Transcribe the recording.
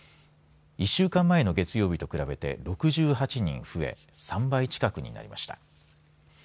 １週間前の月曜日と比べて６８人増え３倍近くになりました。